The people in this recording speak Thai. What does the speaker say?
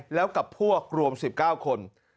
แล้วกับพวกรวม๑๙คน